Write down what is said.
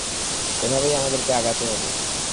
এভাবেই আমাদেরকে আগাতে হবে।